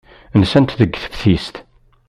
Nsant deg teftist.